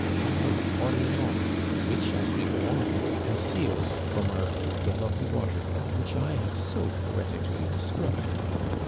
the Isle of Orleans, which, as we go on, conceals from our view the lovely waterfall which I have so poetically described